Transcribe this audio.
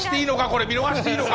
これ見逃していいのか？